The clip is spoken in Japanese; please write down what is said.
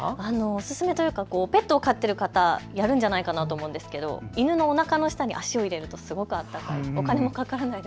おすすめというかペットを飼っている方、やるんじゃないかと思いますが、犬のおなかの下に足を入れるとすごく温かいっていう。